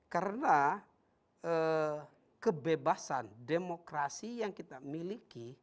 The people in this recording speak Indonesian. karena kebebasan demokrasi yang kita miliki